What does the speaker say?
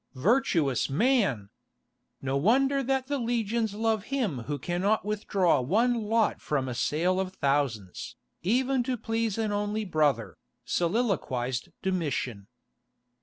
"Virtuous man! No wonder that the legions love him who cannot withdraw one lot from a sale of thousands, even to please an only brother," soliloquised Domitian.